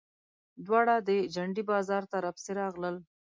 دواړه د جنډې بازار ته راپسې راغلل.